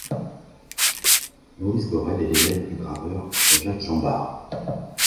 Maurice Borrel est l'élève du graveur Jacques-Jean Barre.